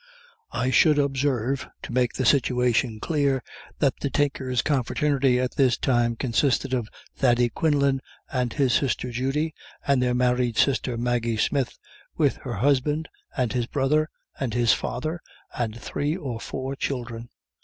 I should observe, to make the situation clear, that the Tinkers' confraternity at this time consisted of Thady Quinlan and his sister Judy, and their married sister Maggie Smith, with her husband, and his brother, and his father, and three or four children.